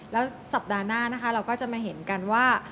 แล้วสัปดาห์หน้านะคะเราก็จะมาเห็นกันว่า